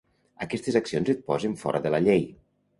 Aquestes accions et posen fora de la llei.